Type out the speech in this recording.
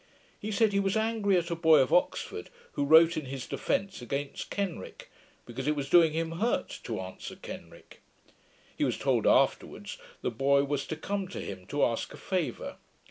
He said he was angry at a boy of Oxford, who wrote in his defence against Kenrick; because it was doing him hurt to answer Kenrick. He was told afterwards, the boy was to come to him to ask a favour.